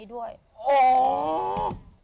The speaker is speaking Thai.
ด้วยจบ